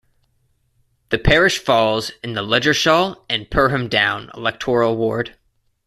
The parish falls in the 'Ludgershall and Perham Down' electoral ward.